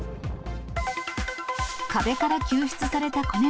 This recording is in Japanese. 壁から救出された子猫。